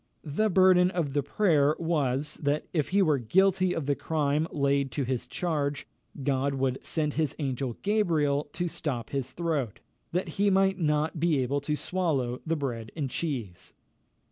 The burden of the prayer was, that if he were guilty of the crime laid to his charge, God would send his angel Gabriel to stop his throat, that he might not be able to swallow the bread and cheese.